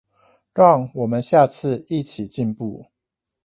讓我們下次一起進步